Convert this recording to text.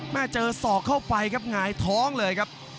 เจอศอกเข้าไปครับหงายท้องเลยครับ